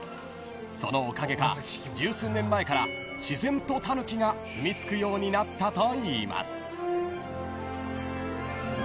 ［そのおかげか十数年前から自然とタヌキがすみ着くようになったといいます］